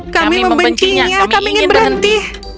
kami membencinya kami ingin berhenti